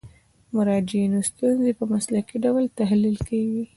د مراجعینو ستونزې په مسلکي ډول تحلیل کیږي.